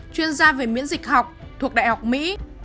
chuyên gia về miễn dịch học thuộc đại học mỹ